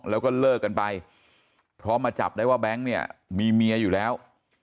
แล้วก็เลิกกันไปเพราะมาจับได้ว่าแบงค์เนี่ยมีเมียอยู่แล้ว